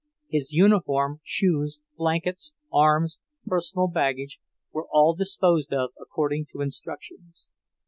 His uniform, shoes, blankets, arms, personal baggage, were all disposed of according to instructions.